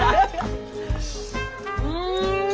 うん！